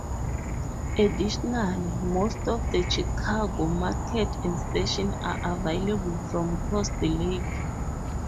Additionally, most of the Chicago market and stations are available from across the lake.